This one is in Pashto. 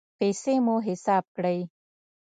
پیسې مو حساب کړئ